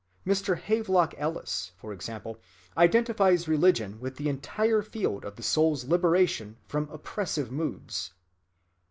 Mr. Havelock Ellis, for example, identifies religion with the entire field of the soul's liberation from oppressive moods.